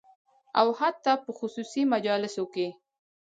او حتی په خصوصي مجالسو کې